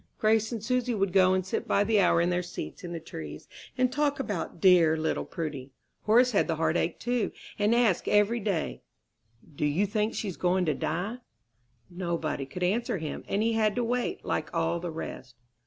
Grace and Susy would go and sit by the hour in their seat in the trees, and talk about dear little Prudy. Horace had the heartache, too, and asked every day, "Do you think she's going to die?" Nobody could answer him, and he had to wait, like all the rest.